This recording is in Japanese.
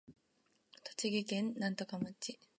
栃木県芳賀町